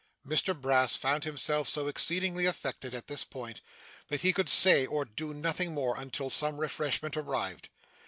Mr Brass found himself so exceedingly affected, at this point, that he could say or do nothing more until some refreshment arrived.